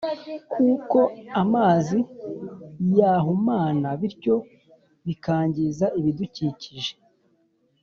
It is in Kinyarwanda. kuko amazi yahumana bityo bikangiza ibidukikije